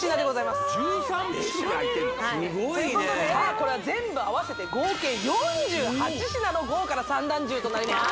すごいねさあこれは全部合わせて合計４８品の豪華な三段重となります